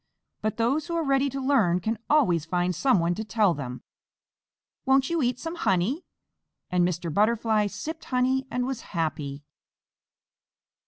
But those who are ready to learn can always find someone to tell them. Won't you eat some honey?" And Mr. Butterfly sipped honey and was happy.